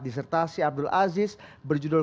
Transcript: disertasi abdul aziz berjudul